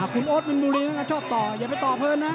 คุณโอ๊ตเป็นหมู่ลิงนะชอบต่ออย่าไปต่อเพิ่มนะ